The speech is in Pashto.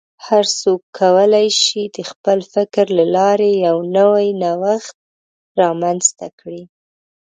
هر څوک کولی شي د خپل فکر له لارې یو نوی نوښت رامنځته کړي.